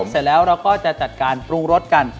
เสร็จแล้วเราก็จะจัดการปรุงรสกัน